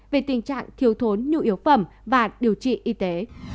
về tình trạng thiếu thốn nhu yếu phẩm và điều trị y tế